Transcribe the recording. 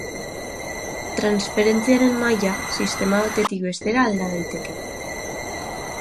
Transferentziaren maila sistema batetik bestera alda daiteke.